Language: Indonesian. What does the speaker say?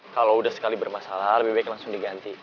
kalau udah sekali bermasalah lebih baik langsung diganti